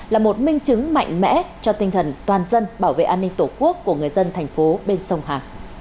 là một minh chứng mạnh mẽ cho tinh thần toàn dân bảo vệ an ninh tổ quốc của người dân thành phố bên sông hà